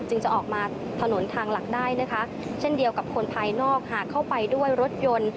จะออกมาถนนทางหลักได้นะคะเช่นเดียวกับคนภายนอกหากเข้าไปด้วยรถยนต์